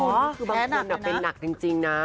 แพ้หนักเลยนะคือบางคนเป็นหนักจริงนะ